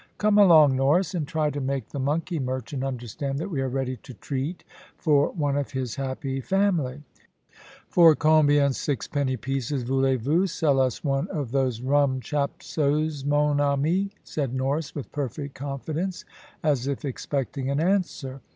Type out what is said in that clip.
Come along, Norris, and try to make the monkey merchant understand that we are ready to treat for one of his happy family." "For combien sixpenny pieces voulez vous sell us one of those rum chapsos, mon amis?" said Norris, with perfect confidence, as if expecting an answer.